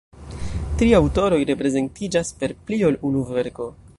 Tri aŭtoroj reprezentiĝas per pli ol unu verko.